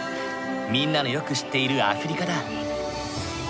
みんなのよく知っているアフリカだ。